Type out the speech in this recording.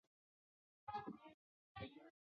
上野国馆林藩第一任藩主。